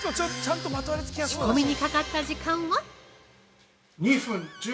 仕込みにかかった時間は？